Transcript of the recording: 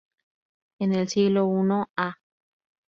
En el siglo I a.